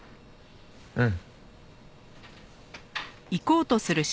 うん。